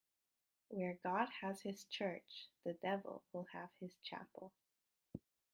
Where God has his church, the devil will have his chapel.